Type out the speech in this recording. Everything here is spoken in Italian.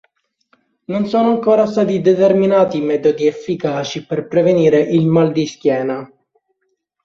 Non sono ancora stati determinati metodi efficaci per prevenire il mal di schiena.